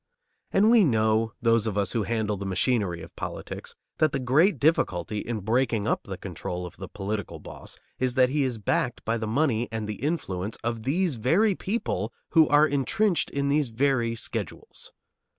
And we know, those of us who handle the machinery of politics, that the great difficulty in breaking up the control of the political boss is that he is backed by the money and the influence of these very people who are intrenched in these very schedules.